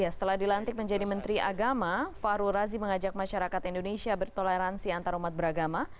setelah dilantik menjadi menteri agama fahrul razi mengajak masyarakat indonesia bertoleransi antarumat beragama